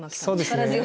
そうですね。